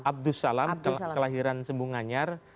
abdussalam kelahiran sembunganyar